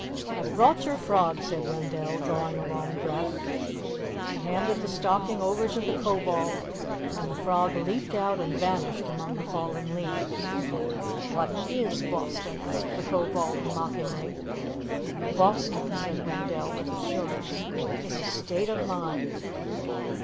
"I've brought your frog," said Wendell, drawing a long breath. He handed the stocking over to the Kobold, and the frog leaped out and vanished among the fallen leaves. "What is Boston?" asked the Kobold mockingly. "Boston," said Wendell with assurance, "is a state of mind."